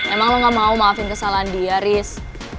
emang lo gak mau maafin kesalahan dia riz